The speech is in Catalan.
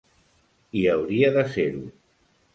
I hauria de ser-ho.